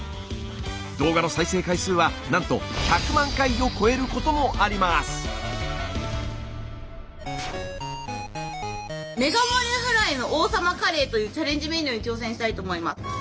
動画の再生回数はなんと１００万回を超えることもあります！というチャレンジメニューに挑戦したいと思います。